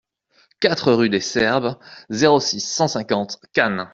quatre rue des Serbes, zéro six, cent cinquante Cannes